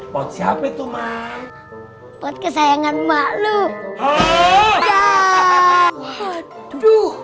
pot siapa itu mah pot kesayangan mak lu